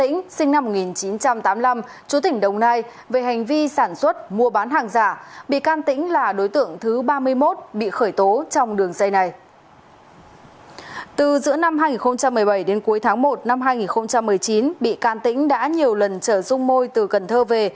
năm hai nghìn một mươi bảy đến cuối tháng một năm hai nghìn một mươi chín bị can tính đã nhiều lần trở rung môi từ cần thơ về